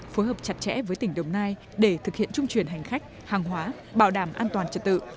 phối hợp chặt chẽ với tỉnh đồng nai để thực hiện trung chuyển hành khách hàng hóa bảo đảm an toàn trật tự